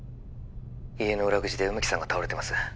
☎家の裏口で梅木さんが倒れてます